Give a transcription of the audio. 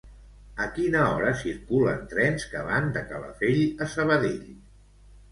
A quina hora circulen trens que van de Calafell a Sabadell?